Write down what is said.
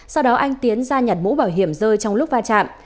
sau đó anh tiến ra nhặt mũ bảo hiểm rơi trong lúc va chạm